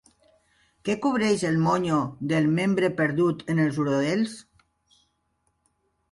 Què cobreix el monyó del membre perdut en els urodels?